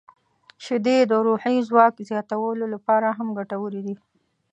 • شیدې د روحي ځواک زیاتولو لپاره هم ګټورې دي.